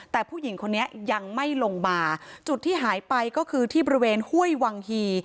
แต่ผู้หญิงคนนี้ยังไม่ลงมาจุดที่หายไปก็คือที่บริเวณห้วยวังฮี